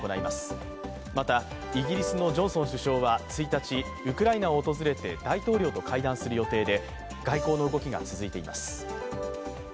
また、イギリスのジョンソン首相は１日、ウクライナを訪れて大統領と会談する予定で外交の動きが続いています。